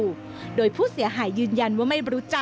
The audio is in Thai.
ทำไมเราต้องเป็นแบบเสียเงินอะไรขนาดนี้เวรกรรมอะไรนักหนา